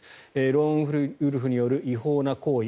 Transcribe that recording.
ローンウルフによる違法な行為